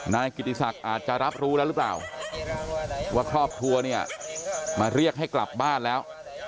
นายกิติศักดิ์อาจจะรับรู้แล้วหรือเปล่าว่าครอบครัวเนี่ยมาเรียกให้กลับบ้านแล้ว